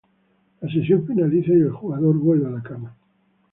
La sesión finaliza y el jugador vuelve a la cama.